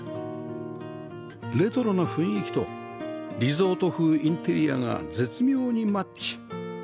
レトロな雰囲気とリゾート風インテリアが絶妙にマッチ